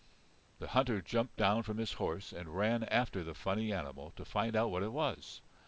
The hunter jumped down from his horse and ran after the funny animal to find out what it was.